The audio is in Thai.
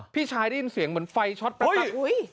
พี่ชายได้ยินเสียงเหมือนไฟช็อตปกติ